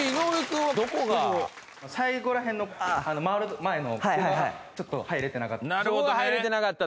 最後ら辺の回る前のここがちょっと入れてなかった。